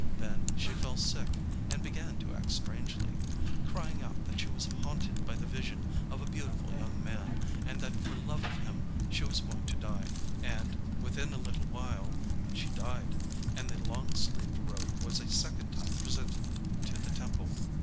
Then she fell sick, and began to act strangely,—crying out that she was haunted by the vision of a beautiful young man, and that for love of him she was going to die. And within a little while she died; and the long sleeved robe was a second time presented to the temple.